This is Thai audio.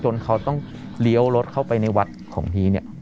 เขาต้องเลี้ยวรถเข้าไปในวัดของพีเนี่ย